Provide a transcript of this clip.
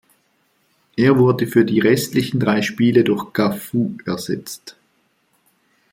Er wurde für die restlichen drei Spiele durch Cafu ersetzt.